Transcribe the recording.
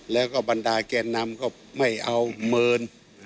แล้วก็บรรดาแกนนำก็ไม่เอาเมิน